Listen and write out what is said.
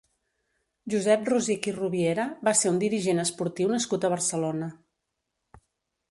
Josep Rosich i Rubiera va ser un dirigent esportiu nascut a Barcelona.